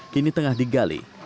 kini tengah digali